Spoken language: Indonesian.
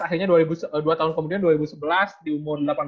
akhirnya dua tahun kemudian dua ribu sebelas di umur delapan belas